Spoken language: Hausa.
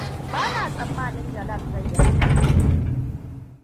Ba na tsammanin Jalal zai yi hakan gobe.